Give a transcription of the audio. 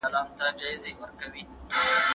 د ماشوم واکسين مه هېروه